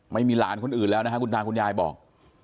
ไม่มีหลานคนอื่นแล้วนะครับคุณตาคุณยายบอก